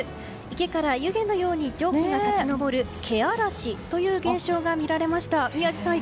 池から湯気のように蒸気が立ち上るけあらしという現象が見られました。